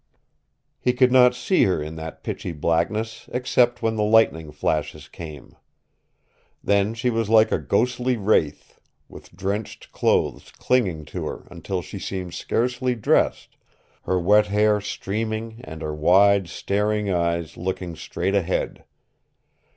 He could not see her in that pitchy blackness, except when the lightning flashes came. Then she was like a ghostly wraith, with drenched clothes clinging to her until she seemed scarcely dressed, her wet hair streaming and her wide, staring eyes looking straight ahead.